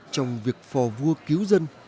trong việc phò vua cứu dân